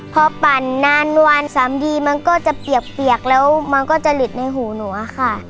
พอปั่นนานวัน๓ดีมันก็จะเปียกแล้วมันก็จะหลิดในหูหนูอะค่ะ